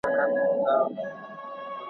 موږ څو ځلي د لستوڼي مار چیچلي ,